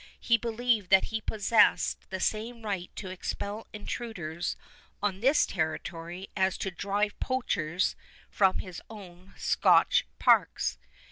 He believed that he possessed the same right to expel intruders on this territory as to drive poachers from his own Scotch parks.